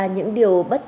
những điều bất kỳ